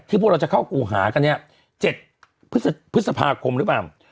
พวกเราจะเข้ากู่หากันเนี่ย๗พฤษภาคมหรือเปล่า